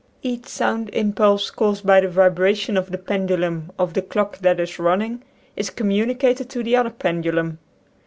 Each sound impulse, caused by the vibration of the pendulum of the clock that is running, is communicated to the other pen dulum.